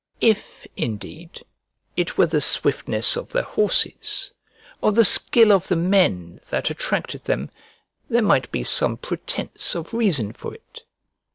If, indeed, it were the swiftness of the horses, or the skill of the men that attracted them, there might be some pretence of reason for it.